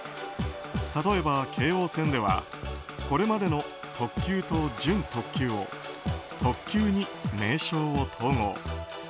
例えば京王線ではこれまでの特急と準特急を特急に名称を統合。